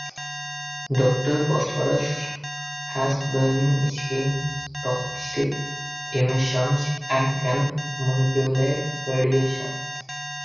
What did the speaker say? Doctor Phosphorus has burning skin, toxic emissions, and can manipulate radiation.